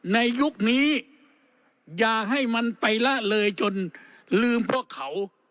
ในยุคนี้อย่าให้มันไปละเลยจนลืมพวกเขา